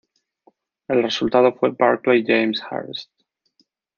El resultado fue "Barclay James Harvest".